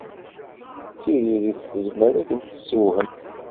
Tiririt tezmer ad ken-tessewhem.